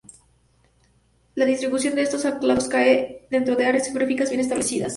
La distribución de estos clados cae dentro de áreas geográficas bien establecidas.